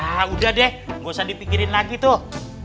nah udah deh nggak usah dipikirin lagi tuh